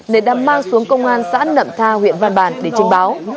nên đã mang xuống công an xã nậm tha huyện văn bàn để trình báo